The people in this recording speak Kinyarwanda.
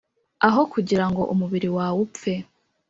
aho kugira ngo umubiri wawe upfe